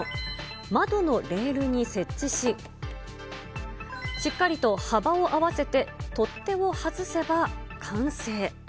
窓のレールに設置し、しっかりと幅を合わせて、取っ手を外せば完成。